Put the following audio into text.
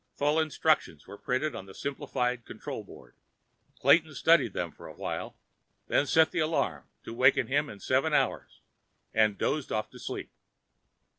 Full instructions were printed on the simplified control board. Clayton studied them for a while, then set the alarm to waken him in seven hours and dozed off to sleep.